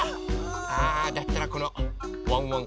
あだったらこのワンワン